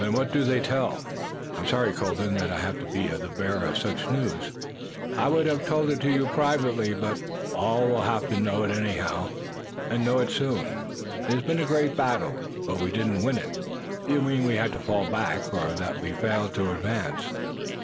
"Then what do they tell?" "I'm sorry, Colden, that I have to be the bearer of such news. I would have told it to you privately, but all will have to know it anyhow, and know it soon. There has been a great battle, but we did not win it." "You mean we had to fall back, or that we failed to advance?